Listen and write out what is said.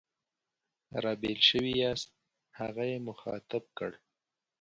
را بېل شوي یاست؟ هغه یې مخاطب کړ.